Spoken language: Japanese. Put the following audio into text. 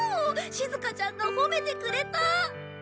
しずかちゃんが褒めてくれた。